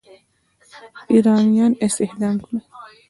ایرانیان استخدام کړي.